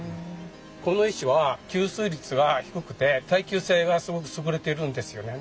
この石は吸水率が低くて耐久性がすごく優れてるんですよね。